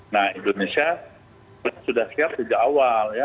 nah indonesia sudah siap sejak awal ya